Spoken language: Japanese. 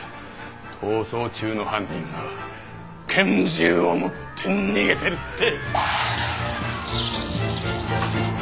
逃走中の犯人が拳銃を持って逃げてるって！